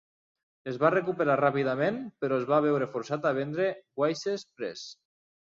Es va recuperar ràpidament, però es va veure forçat a vendre Wayside Press.